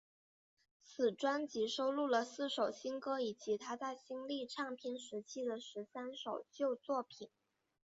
此专辑收录了四首新歌以及她在新力唱片时期的十三首旧作品。